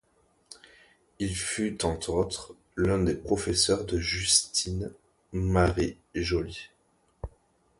Il fut entre autres l'un des professeurs de Justin Marie Jolly.